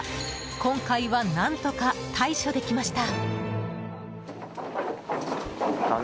今回は何とか対処できました。